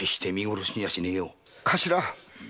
頭。